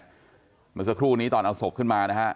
เมื่อสักครู่นี้ตอนเอาศพขึ้นมานะฮะ